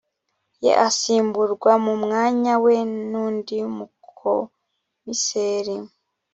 ye asimburwa mu mwanya we n undi mukomiseri